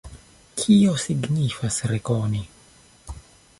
Kio signifas rekoni?